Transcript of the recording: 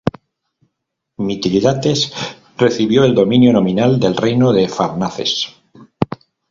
Mitrídates recibió el dominio nominal del reino de Farnaces.